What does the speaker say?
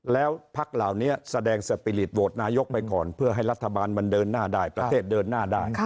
แล้วพักเหล่านี้แสดงสปีริตโหวตนายกไปก่อนเพื่อให้รัฐบาลมันเดินหน้าได้ประเทศเดินหน้าได้